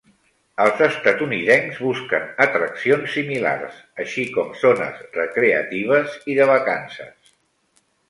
Els estatunidencs busquen atraccions similars, així com zones recreatives i de vacances.